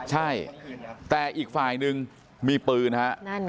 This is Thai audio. ใช่แต่อีกฝ่ายนึงมีปืนฮะ